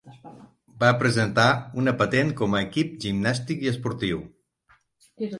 Va presentar una patent com a "equip gimnàstic i esportiu".